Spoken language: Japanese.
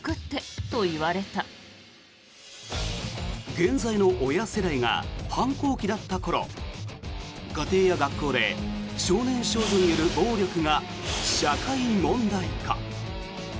現在の親世代が反抗期だった頃家庭や学校で少年少女による暴力が社会問題化。